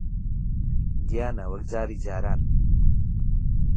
گیانە، وەک جاری جاران